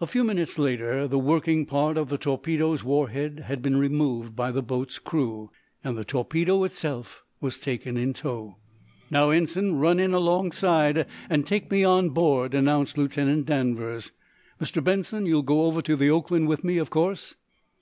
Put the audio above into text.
A few minutes later the working part of the torpedo's war head had been removed by the boat's crew, and the torpedo itself was taken in tow. "Now, Ensign, run in alongside, and take me on board," announced Lieutenant Danvers. "Mr. Benson, you'll go over to the 'Oakland' with me, of course?"